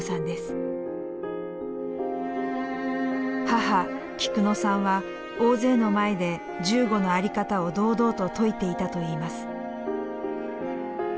母キクノさんは大勢の前で銃後の在り方を堂々と説いていたといいます。